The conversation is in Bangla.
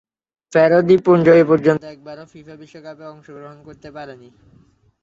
ফ্যারো দ্বীপপুঞ্জ এপর্যন্ত একবারও ফিফা বিশ্বকাপে অংশগ্রহণ করতে পারেনি।